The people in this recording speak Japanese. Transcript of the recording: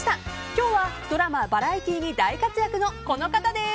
今日はドラマ、バラエティーに大活躍のこの方です！